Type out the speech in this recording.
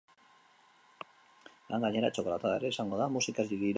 Han, gainera, txokolatada ere izango da, musikaz girotuta.